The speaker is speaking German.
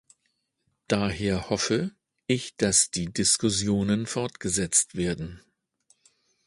Daher hoffe, ich dass die Diskussionen fortgesetzt werden.